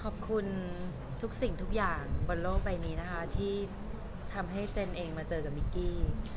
ขอบคุณทุกสิ่งทุกอย่างบนโลกใบนี้นะคะที่ทำให้เซนเองมาเจอกับมิกกี้